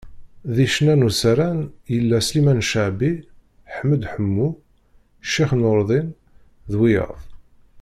Deg ccna n usaran, yella Sliman Cabbi, Ḥmed Ḥemmu, Ccix Nurdin, d wiyaḍ.